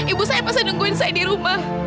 ibu saya masa nungguin saya di rumah